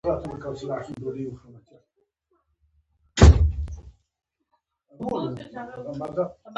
ازادي راډیو د د تګ راتګ ازادي په اړه د مینه والو لیکونه لوستي.